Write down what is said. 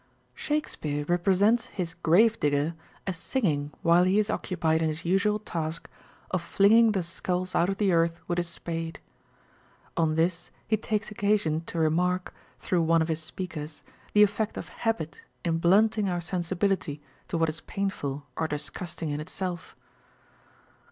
â– Shakespeare represents his Grave digger as singing while he is occupied in his usual task of flinging the skulls out of the earth with his spade. On this he takes occasion to remark, through one of his speakers, the effect of habit in blunting our sensibility to what is painful or disgusting in itself.